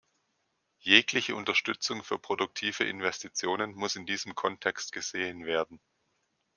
Jegliche Unterstützung für produktive Investitionen muss in diesem Kontext gesehen werden.